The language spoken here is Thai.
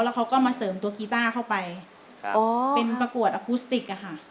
เขาก็มาเสริมตัวกีต้าเข้าไปอ๋อเป็นประกวดอคุสติกอะค่ะ